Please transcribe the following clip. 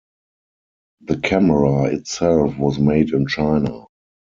The camera itself was made in China.